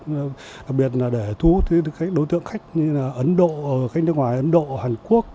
đặc biệt là để thu hút các đối tượng khách như là ấn độ khách nước ngoài ấn độ hàn quốc